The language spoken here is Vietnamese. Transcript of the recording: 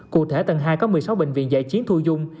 cụ thể tầng hai có một mươi sáu bệnh viện giải chiến thu dung